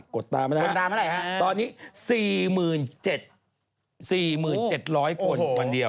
ดตามมานะฮะตอนนี้๔๗๔๗๐๐คนวันเดียว